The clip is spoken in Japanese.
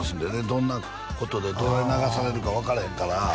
どんなことでどう流されるか分からへんから